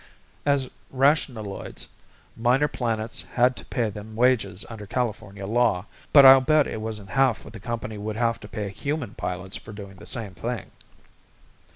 As rationaloids, Minor Planets had to pay them wages under California law, but I'll bet it wasn't half what the company would have to pay human pilots for doing the same thing.